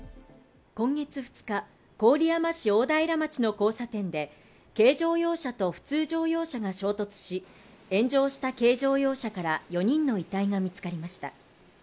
今月２日、郡山市大平町の交差点で、軽乗用車と普通乗用車が衝突し、炎上した軽乗用車から４人の遺体が見つかりました。